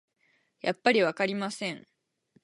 やっぱりわかりません